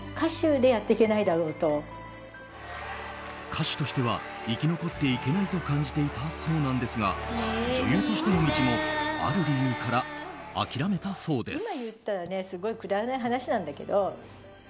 歌手としては生き残っていけないと感じていたそうなんですが女優としての道もある理由から諦めたそうです。